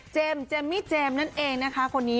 เจอร์มแจมมี่เจมส์